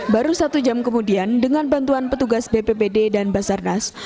baru satu jam kemudian dengan bantuan petugas bppd dan basarnas